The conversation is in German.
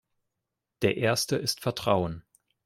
Der erste ist Vertrauen.